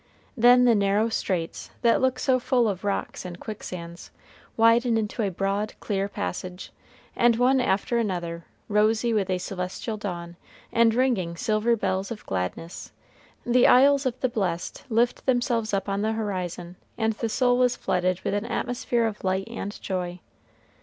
Then the narrow straits, that look so full of rocks and quicksands, widen into a broad, clear passage, and one after another, rosy with a celestial dawn, and ringing silver bells of gladness, the isles of the blessed lift themselves up on the horizon, and the soul is flooded with an atmosphere of light and joy.